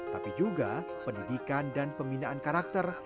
tapi juga pendidikan dan pembinaan karakter